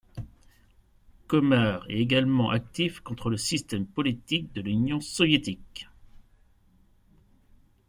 Komar est également actif contre le système politique de l'Union soviétique.